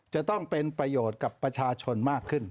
จะต้องเป็นประโยชน์กับประชาชนมากขึ้น